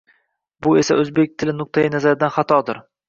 Bu esa oʻzbek tili nuqtai nazaridan xatodir